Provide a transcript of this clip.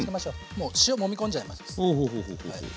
もう塩もみ込んじゃいます。